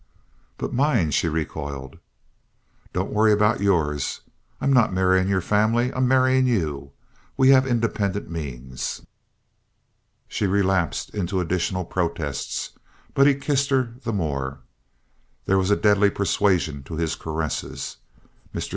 "But mine," she recoiled. "Don't worry about yours. I'm not marrying your family. I'm marrying you. We have independent means." She relapsed into additional protests; but he kissed her the more. There was a deadly persuasion to his caresses. Mr.